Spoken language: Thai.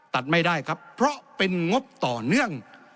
ตัดไม่ได้ครับเพราะเป็นงบต่อเนื่อง